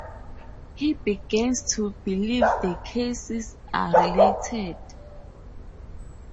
He begins to believe the cases are related.